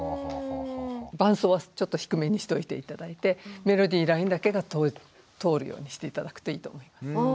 伴奏はちょっと低めにしといて頂いてメロディーラインだけが通るようにして頂くといいと思います。